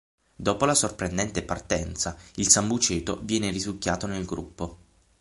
Dopo la sorprendente partenza, il Sambuceto viene risucchiato nel gruppo.